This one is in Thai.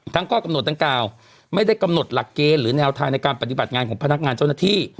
ข้อกำหนดดังกล่าวไม่ได้กำหนดหลักเกณฑ์หรือแนวทางในการปฏิบัติงานของพนักงานเจ้าหน้าที่